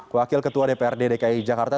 wakil ketua dprd dki jakarta